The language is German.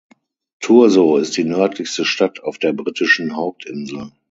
Thurso ist die nördlichste Stadt auf der britischen Hauptinsel.